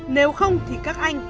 nếu không thì các anh